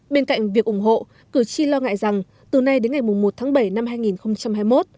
bên cạnh việc ủng hộ cử tri lo ngại rằng từ nay đến ngày một tháng bảy năm hai nghìn hai mươi một